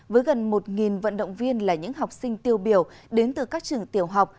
với gần một vận động viên là những học sinh tiêu biểu đến từ các trường tiểu học